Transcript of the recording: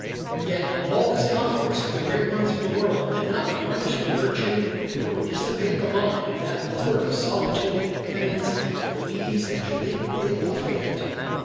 Yet all this concourse of the great ones of the world did not tarnish the virtue nor dissipate the mind of that lover of solitude and of penance, Louise Angélique de la Fayette.